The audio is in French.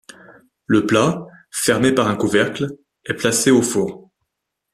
Le plat, fermé par un couvercle, est placé au four.